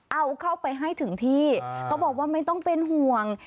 เอาเข้าไปให้ถึงที่เขาบอกว่าไม่ต้องเป็นห่วง